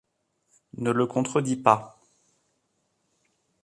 Ne le contredis pas !